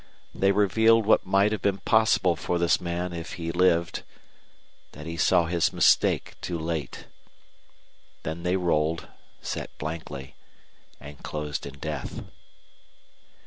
They revealed what might have been possible for this man if he lived that he saw his mistake too late. Then they rolled, set blankly, and closed in death.